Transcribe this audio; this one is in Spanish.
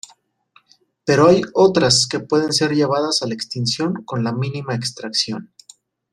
Pero hay otras que pueden ser llevadas a la extinción con la mínima extracción.